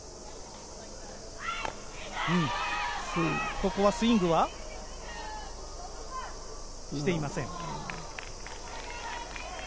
ここはスイングはしていません。